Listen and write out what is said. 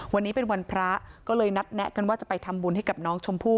วันนี้เป็นวันพระก็เลยนัดแนะกันว่าจะไปทำบุญให้กับน้องชมพู่